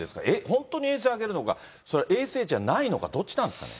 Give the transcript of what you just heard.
本当に衛星上げるのか、それは衛星じゃないのか、どっちなんですかね。